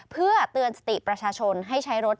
เพื่อเตือนสติประชาชนให้ใช้รถ